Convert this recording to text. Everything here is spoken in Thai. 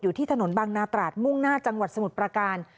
ที่ถนนบางนาตราดมุ่งหน้าจังหวัดสมุทรประการ